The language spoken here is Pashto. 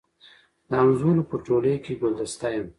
د همزولو په ټولۍ کي ګلدسته یم